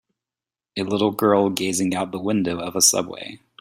A little girl gazing out the window of a subway